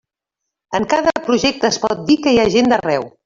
En cada projecte es pot dir que hi ha gent d'arreu.